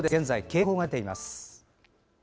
現在、警報が出ています。